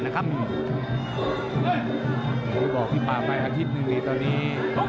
อย่าบอกพี่ป๊าไปอาทิตย์นึงนะตอนนี้